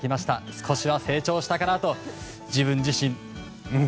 少しは成長したかなと自分自身うん